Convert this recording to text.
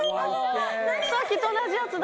さっきと同じやつだ。